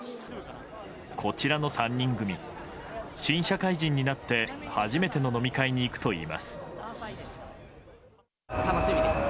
こちらの３人組新社会人になって初めての飲み会に行くと言います。